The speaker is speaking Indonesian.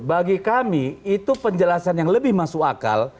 bagi kami itu penjelasan yang lebih masuk akal